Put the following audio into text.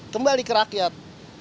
kembali ke rakyat